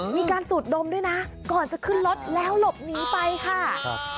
มีการสูดดมด้วยนะก่อนจะขึ้นรถแล้วหลบหนีไปค่ะครับ